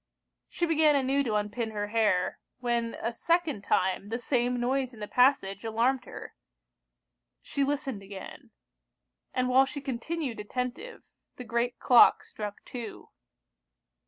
She began anew to unpin her hair, when a second time the same noise in the passage alarmed her. She listened again; and while she continued attentive, the great clock struck two.